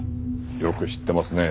よく知ってますね。